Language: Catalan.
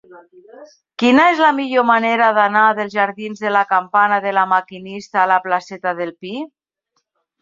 Quina és la millor manera d'anar dels jardins de la Campana de La Maquinista a la placeta del Pi?